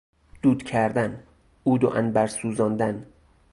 دود کردن، عود و عنبر سوزاندن